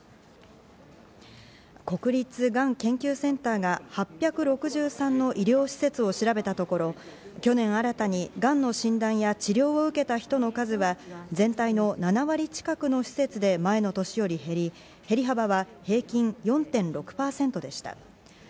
国立がん研究センターが８６３の医療施設を調べたところ、去年、新たにがんの診断や治療を受けた人の数は、全体の７割近くの施設で前の年より減り、減り幅は平均４．６％でした。